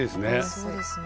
そうですね。